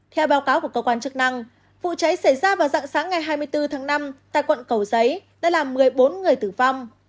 theo báo cáo của cơ quan chức năng vụ cháy xảy ra vào dạng sáng ngày hai mươi bốn tháng năm tại quận cầu giấy đã làm một mươi bốn người tử vong